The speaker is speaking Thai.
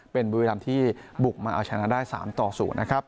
เป็นบุรีรำที่บุกมาเอาชนะได้๓ต่อ๐นะครับ